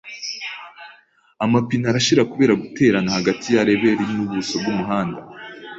Amapine arashira kubera guterana hagati ya reberi n'ubuso bw'umuhanda.